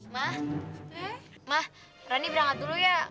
ma ma rani berangkat dulu ya